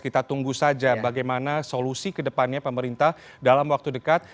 kita tunggu saja bagaimana solusi kedepannya pemerintah dalam waktu dekat